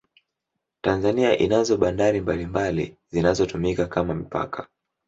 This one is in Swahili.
Tanzania inazo bandari mbalimbali zinazotumika kama mipaka